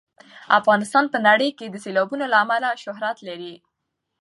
افغانستان په نړۍ کې د سیلابونو له امله شهرت لري.